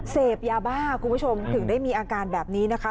เสพยาบ้าคุณผู้ชมถึงได้มีอาการแบบนี้นะคะ